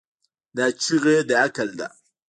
دا چیغه د عقل ده.